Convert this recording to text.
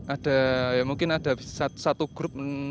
ada ya mungkin ada satu grup